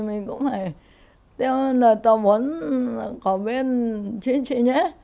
mình cũng phải theo lời tổng hợp của bên chính trị nhé